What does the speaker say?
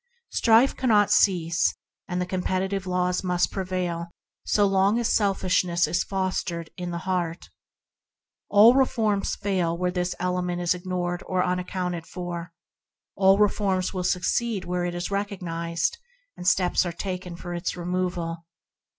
Strife cannot cease and the com petitive laws must prevail so long as selfish ness is fostered in the heart. All reforms fail where this element is ignored or 24 ENTERING THE KINGDOM unaccounted for; all reforms succeed where it is recognized, and steps are taken for its removal.